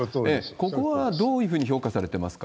ここはどういうふうに評価されてますか？